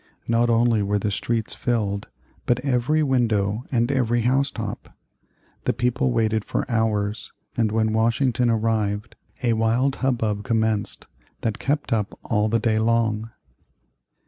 Not only were the streets filled, but every window and every house top. The people waited for hours, and when Washington arrived a wild hubbub commenced that kept up all the day long.